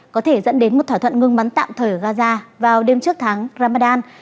có thể dẫn đến một thỏa thuận ngừng bắn tạm thời ở gaza vào đêm trước tháng ramadan